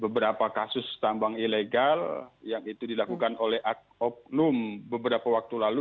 beberapa kasus tambang ilegal yang itu dilakukan oleh oknum beberapa waktu lalu